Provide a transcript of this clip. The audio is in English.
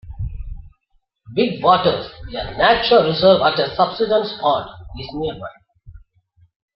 Big Waters, a nature reserve at a subsidence pond, is nearby.